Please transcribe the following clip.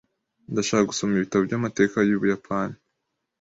Ndashaka gusoma ibitabo byamateka yu Buyapani.